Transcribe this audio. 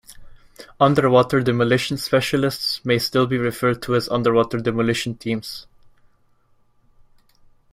Underwater demolition specialists may still be referred to as underwater demolition teams.